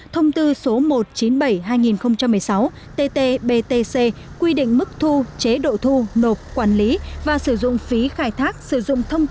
thông tư số một trăm chín mươi bảy hai nghìn hai mươi